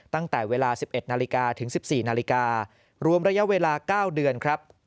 ตั้งแต่เวลา๑๑นาฬิกาถึง๑๔นาฬิการวมระยะเวลา๙เดือนครับ